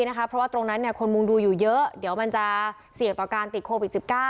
เพราะว่าตรงนั้นคนมุงดูอยู่เยอะเดี๋ยวมันจะเสี่ยงต่อการติดโควิด๑๙